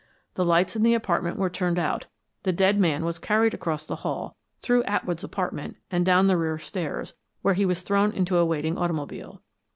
The lights in the apartment were turned out, the dead man was carried across the hall, through Atwood's apartment, and down the rear stairs, where he was thrown into a waiting automobile.